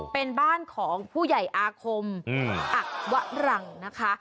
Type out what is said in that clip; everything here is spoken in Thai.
เป็นบ้านของผู้ใหญ่อาคมอักวะรังนะคะ